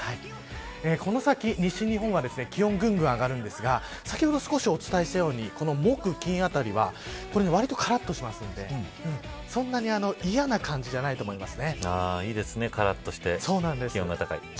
この先、西日本は気温ぐんぐん上がるんですが先ほど少しお伝えしたように木、金あたりはわりと、からっとするのでそんなに嫌な感じじゃないと思います。